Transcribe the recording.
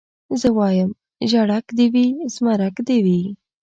زه وايم ژړک دي وي زمرک دي وي